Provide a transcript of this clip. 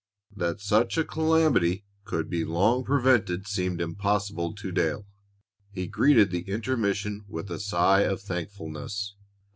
That such a calamity could be long prevented seemed impossible to Dale. He greeted the intermission with a sigh of thankfulness.